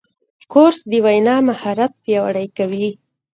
کورس د وینا مهارت پیاوړی کوي.